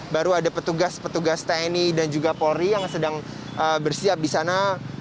baru ada petugas petugas tni dan juga polri yang sedang bersiap di sana